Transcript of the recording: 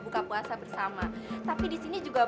buka puasa bersama